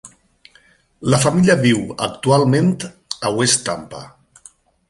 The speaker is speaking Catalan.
La família viu actualment a West Tampa.